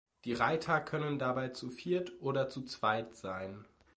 Die Reiter können dabei zu viert oder zu zweit sein.